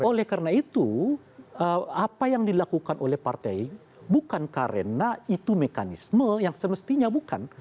oleh karena itu apa yang dilakukan oleh partai bukan karena itu mekanisme yang semestinya bukan